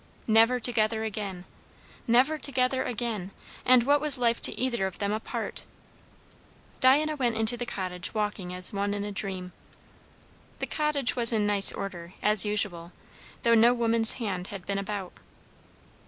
Never together again, never together again! and what was life to either of them apart? Diana went into the cottage walking as one in a dream. The cottage was in nice order, as usual, though no woman's hand had been about.